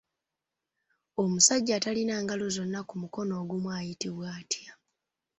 Omusajja atalina ngalo zonna ku mukono ogumu ayitibwa atya?